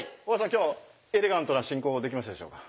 今日エレガントな進行はできましたでしょうか？